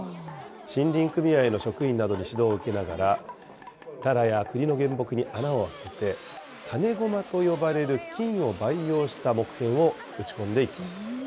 森林組合の職員などに指導を受けながら、ナラやクリの原木に穴を開けて、種駒と呼ばれる菌を培養した木片を打ち込んでいきます。